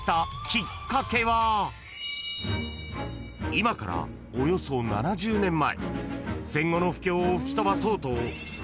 ［今からおよそ７０年前］